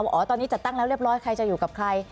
อ๋อตอนนี้จัดตั้งแล้วเรียบร้อยใครจะอยู่กับใคร